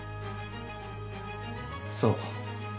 そう。